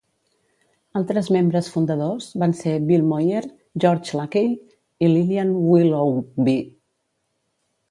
Altres membres fundadors van ser Bill Moyer, George Lakey i Lillian Willoughby.